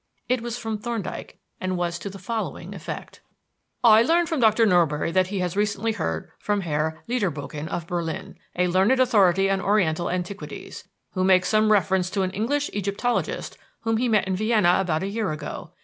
It was from Thorndyke, and was to the following effect: "_I learn from Dr. Norbury that he has recently heard from Herr Lederbogen, of Berlin a learned authority on Oriental antiquities who makes some reference to an English Egyptologist whom he met in Vienna about a year ago.